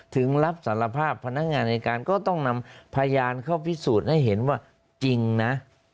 ถึงรับสารภาพพนักงานในการก็ต้องนำพยานเข้าพิสูจน์ให้เห็นว่าจริงนะ